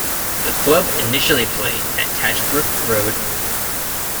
The club initially played at Tatchbrook Road.